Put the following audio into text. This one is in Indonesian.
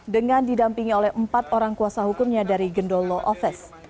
dengan didampingi oleh empat orang kuasa hukumnya dari gendolo ofes